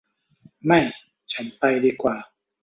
ไม่ ฉันไปดีกว่า